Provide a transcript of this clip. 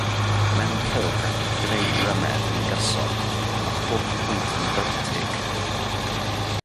Mewn cylch, gyda'i grymedd yn gyson, mae pob pwynt yn fertig.